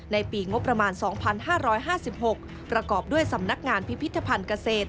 ในปีงบประมาณ๒๕๕๖ประกอบด้วยสำนักงานพิพิธภัณฑ์เกษตร